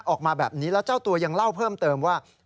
ออกมาแบบนี้แล้วเจ้าตัวยังเล่าเพิ่มเติมว่า